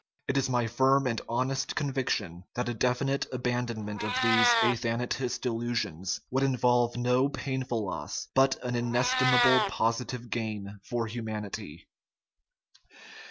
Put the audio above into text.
It is my firm and honest conviction that a definitive abandonment of these "athanatist illusions" would involve no painful loss, but an inestimable positive gain for humanity.